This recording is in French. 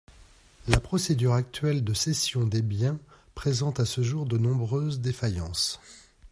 La procédure actuelle de cession des biens présente à ce jour de nombreuses défaillances.